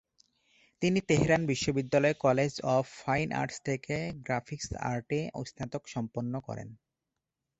তিনি তেহরান বিশ্ববিদ্যালয়ের college of fine arts থেকে গ্রাফিক আর্টে স্নাতক সম্পন্ন করেন।